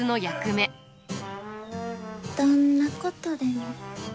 どんなことでも。